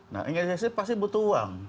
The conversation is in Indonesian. nah ingin eksis pasti butuh uang